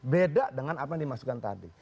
beda dengan apa yang dimasukkan tadi